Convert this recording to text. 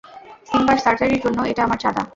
সিম্বার সার্জারির জন্য এটা আমার চাঁদা।